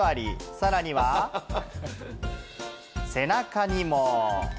さらには、背中にも。